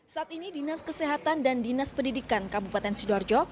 saat ini dinas kesehatan dan dinas pendidikan kabupaten sidoarjo